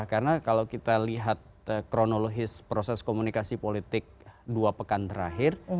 karena kalau kita lihat kronologis proses komunikasi politik dua pekan terakhir